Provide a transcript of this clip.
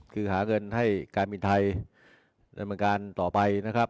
คือหาเงินให้การบินไทยดำเนินการต่อไปนะครับ